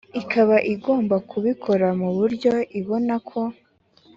ikaba igomba kubikora mu buryo ibonako